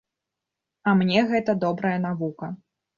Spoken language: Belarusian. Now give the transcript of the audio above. А мне гэта добрая навука.